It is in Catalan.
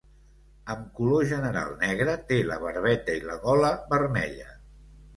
Amb color general negre, té la barbeta i la gola vermella.